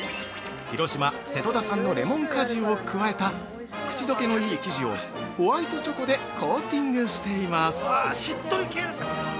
広島・瀬戸田産のレモン果汁を加えた口どけのいい生地をホワイトチョコでコーティングしています。